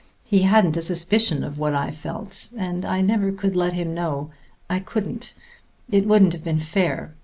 He hadn't a suspicion of what I felt, and I never let him know I couldn't; it wouldn't have been fair.